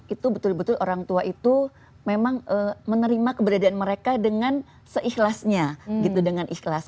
itu betul betul orang tua itu memang menerima keberadaan mereka dengan seikhlasnya gitu dengan ikhlas